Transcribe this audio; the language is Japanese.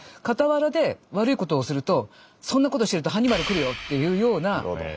かたわらで悪いことをすると「そんなことしてるとハンニバル来るよ！」って言うような。